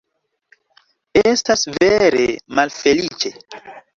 Estas vere malfeliĉe.